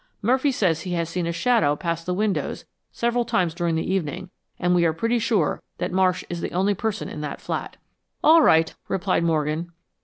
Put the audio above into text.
Murphy says he has seen a shadow pass the windows several times during the evening, and we are pretty sure that Marsh is the only person in that flat." "All right," replied Morgan.